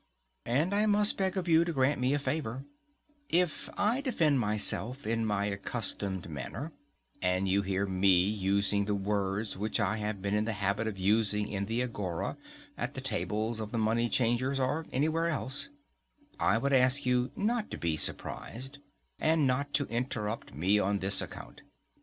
And I must beg of you to grant me a favour:—If I defend myself in my accustomed manner, and you hear me using the words which I have been in the habit of using in the agora, at the tables of the money changers, or anywhere else, I would ask you not to be surprised, and not to interrupt me on this account.